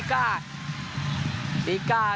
มิก้าจ่ายต่อถึงเส้นหลังให้กับทิศิพรรณ